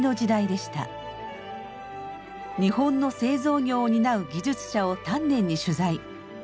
日本の製造業を担う技術者を丹念に取材。